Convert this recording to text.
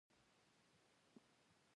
هغوی د ډیزاین د تولید لپاره زمینه برابروي.